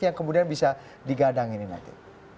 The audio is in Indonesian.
yang kemudian bisa digadangin nanti